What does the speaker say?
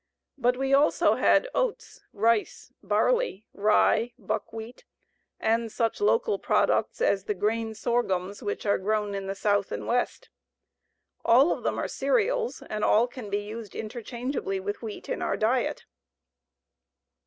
But we also had oats, rice, barley, rye, buckwheat, and such local products as the grain sorghums, which are grown in the South and West. All of them are cereals and all can be used interchangeably with wheat in our diet.